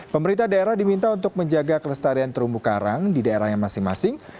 pemerintah daerah diminta untuk menjaga kelestarian terumbu karang di daerah yang masing masing